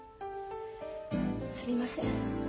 すみません。